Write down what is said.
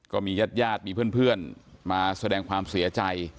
ก็มีญาติญาติมีเพื่อนมาแสดงความเสียใจ